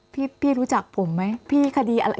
พี่รู้จักผมไหมพี่คดีอะไร